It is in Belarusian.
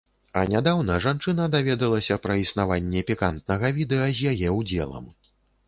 А нядаўна жанчына даведалася пра існаванне пікантнага відэа з яе ўдзелам.